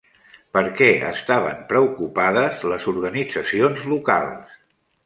Per què estaven preocupades les organitzacions locals?